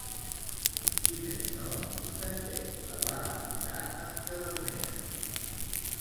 Si més no, de què la va avisar en Cadernera?